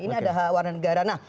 ini ada warna negara